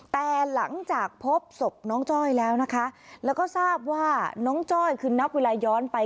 แต่หลังจากพบศพน้องจ้อยแล้วนะคะแล้วก็ทราบว่าน้องจ้อยคือนับเวลาย้อนไป